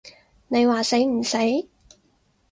你話死唔死？